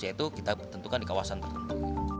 yaitu kita tentukan di kawasan tertentu